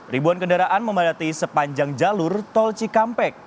ribuan kendaraan memadati sepanjang jalur tol cikampek